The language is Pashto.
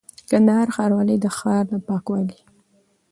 :کندهار ښاروالي د ښار د پاکوالي،